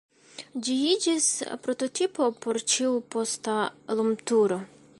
Ĝi iĝis prototipo por ĉiu posta lumturo.